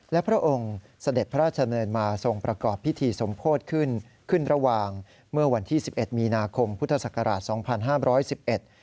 และพระองค์เสด็จพระราชเนินมาส่งประกอบพิธีสมโพธิขึ้นขึ้นระหว่างเมื่อวันที่๑๑มีนาคมพุทธศักราช๒๕๑๑